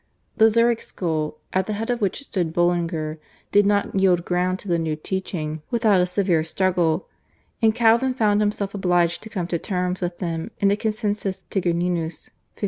The Zurich school, at the head of which stood Bullinger, did not yield ground to the new teaching without a severe struggle, and Calvin found himself obliged to come to terms with them in the /Consensus Tigurninus/ (1549).